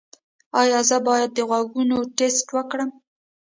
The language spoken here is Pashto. ایا زه باید د غوږونو ټسټ وکړم؟